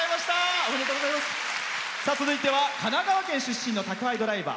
続いては神奈川県出身の宅配ドライバー。